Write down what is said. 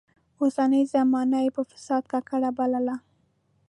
اوسنۍ زمانه يې په فساد ککړه بلله.